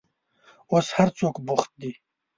اوس هر څوک بوخت دي.